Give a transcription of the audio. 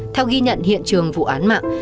theo ghi nhận hiện trường vụ án mạng